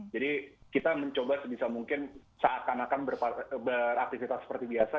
jadi kita mencoba sebisa mungkin seakan akan beraktivitas seperti biasa